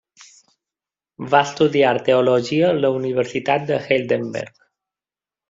Va estudiar teologia a la Universitat de Heidelberg.